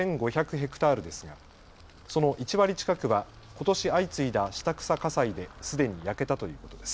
ヘクタールですがその１割近くはことし相次いだ下草火災ですでに焼けたということです。